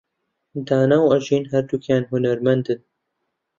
دانا و ئەژین هەردووکیان هونەرمەندن.